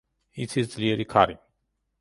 იცის ძლიერი ქარი.